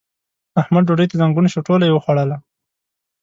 احمد ډوډۍ ته زنګون شو؛ ټوله يې وخوړله.